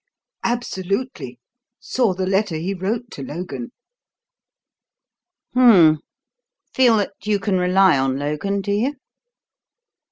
"Absolutely. Saw the letter he wrote to Logan." "Hum m m! Feel that you can rely on Logan, do you?"